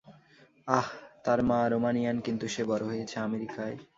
আহহ, তার মা রোমানিয়ান কিন্তু সে বড় হয়েছে আমেরিকায়।